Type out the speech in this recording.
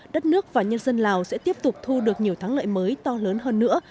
đất nước và nhân dân lào sẽ tiếp tục thu được nhiều thắng lợi mới to lớn hơn nữa